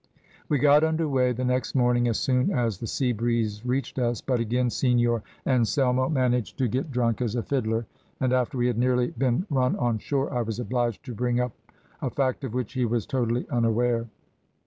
"We got under weigh the next morning as soon as the sea breeze reached us, but again Senor Anselmo managed to get drunk as a fiddler, and after we had nearly been run on shore, I was obliged to bring up, a fact of which he was totally unaware.